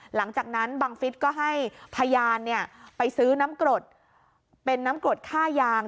หลังจากนั้นบังฟิศก็ให้พยานไปซื้อน้ำกรดเป็นน้ำกรดค่ายาง